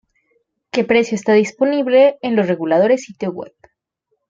Que precio está disponible en los reguladores sitio web.